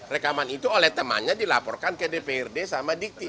rekaman itu oleh temannya dilaporkan ke dprd sama dikti